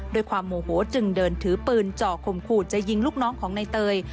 ด้วยความโมโหจึงเดินถือปืนจ่อคมขู่จะยิงลูกน้องของในเตย